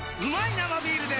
生ビールで！？